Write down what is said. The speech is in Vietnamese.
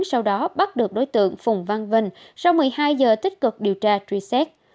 sau đó bắt được đối tượng phùng văn vinh sau một mươi hai giờ tích cực điều tra truy xét